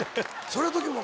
その時も。